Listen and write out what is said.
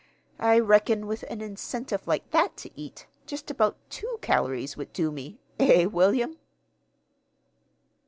I reckon, with an incentive like that to eat, just about two calories would do me. Eh, William?"